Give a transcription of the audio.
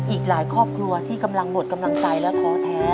อีกหลายครอบครัวที่กำลังหมดกำลังใจและท้อแท้